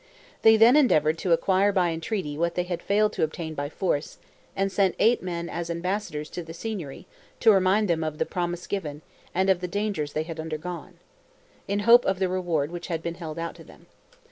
They then endeavored to acquire by entreaty what they had failed to obtain by force; and sent eight men as ambassadors to the Signory, to remind them of the promise given, and of the dangers they had undergone, in hope of the reward which had been held out to them.